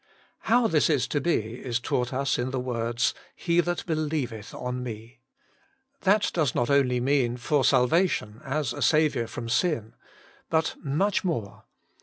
How this is to be. is taught us in the words, * He that believeth on Me.' That 46 Working for God 47 does not only mean, for salvation, as a Saviour from sin. But much more.